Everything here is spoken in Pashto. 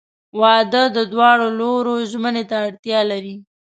• واده د دواړو لورو ژمنې ته اړتیا لري.